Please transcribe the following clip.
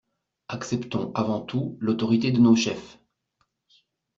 Acceptons, avant tout, l'autorité de nos chefs!